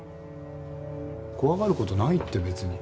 怖がることないって別に。